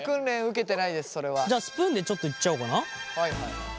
じゃあスプーンでちょっといっちゃおうかな。